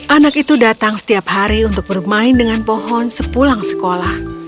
anak itu datang setiap hari untuk bermain dengan pohon sepulang sekolah